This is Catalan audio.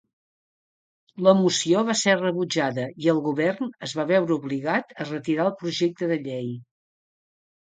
La moció va ser rebutjada i el govern es va veure obligat a retirar el projecte de llei.